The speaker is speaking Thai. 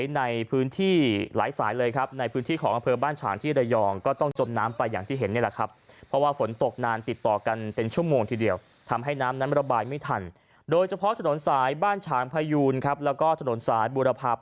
ในพื้นที่หลายสายเลยนะครับในพื้นที่ของกระเพลิงบ้านฉันที่ระยองเต้องจมน้ำไปอย่างที่เห็นนี่แหละครับ